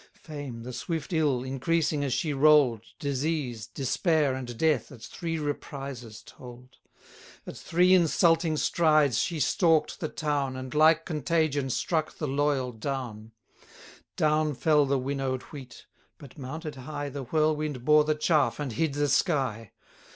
230 Fame, the swift ill, increasing as she roll'd, Disease, despair, and death, at three reprises told; At three insulting strides she stalk'd the town, And, like contagion, struck the loyal down. Down fell the winnow'd wheat; but, mounted high, The whirlwind bore the chaff, and hid the sky.